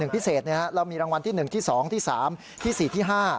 พิเศษเรามีรางวัลที่๑ที่๒ที่๓ที่๔ที่๕